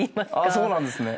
そうなんですね。